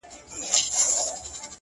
نه ـنه محبوبي زما ـ